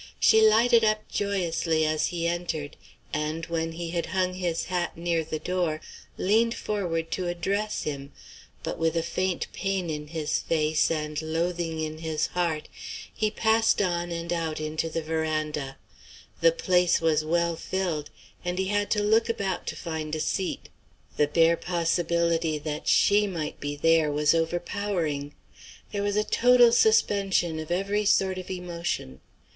She lighted up joyously as he entered, and, when he had hung his hat near the door, leaned forward to address him; but with a faint pain in his face, and loathing in his heart, he passed on and out into the veranda. The place was well filled, and he had to look about to find a seat. The bare possibility that she might be there was overpowering. There was a total suspension of every sort of emotion.